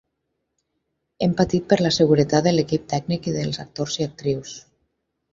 Hem patit per la seguretat de l’equip tècnic i dels actors i actrius.